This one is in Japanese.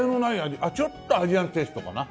ちょっとアジアンテイストかな？